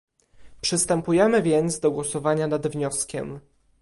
Przystępujemy więc do głosowania nad wnioskiem